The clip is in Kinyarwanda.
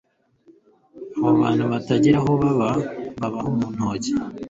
Abo bantu batagira aho baba babaho mu ntoki